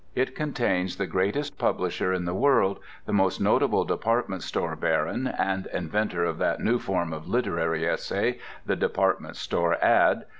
It contains the greatest publisher in the world, the most notable department store baron (and inventor of that new form of literary essay, the department store ad.)